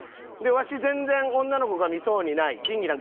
ワシ全然女の子が見そうにない。